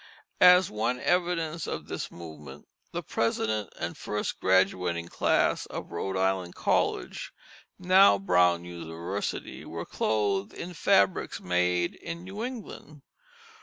As one evidence of this movement the president and first graduating class of Rhode Island College now Brown University were clothed in fabrics made in New England.